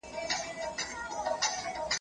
د کوچني په مرستې سره مي خپلي کوڅې پیدا کړې.